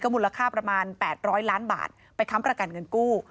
มูลค่าประมาณ๘๐๐ล้านบาทไปค้ำประกันเงินกู้